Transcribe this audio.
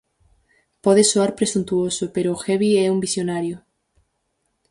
Pode soar presuntuoso, pero o Hevi é un visionario.